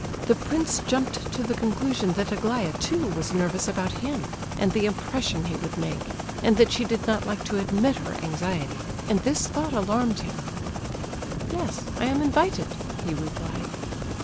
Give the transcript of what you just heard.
The prince jumped to the conclusion that Aglaya, too, was nervous about him, and the impression he would make, and that she did not like to admit her anxiety; and this thought alarmed him. "Yes, I am invited," he replied.